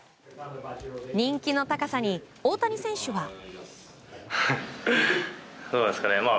人気の高さに大谷選手は。